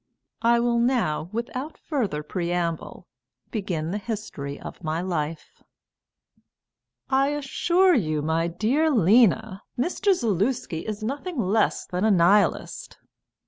I will now, without further preamble, begin the history of my life. "I assure you, my dear Lena, Mr. Zaluski is nothing less than a Nihilist!"